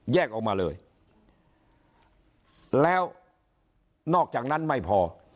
ออกมาเลยแล้วนอกจากนั้นไม่พอ